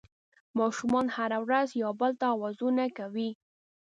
ماشومان هره ورځ یو بل ته اوازونه کوي